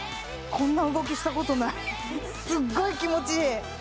こんな動きしたことないすっごい気持ちいい